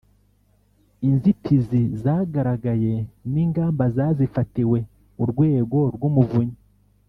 inzitizi zagaragaye n’ingamba zazifatiwe urwego rw'umuvunyi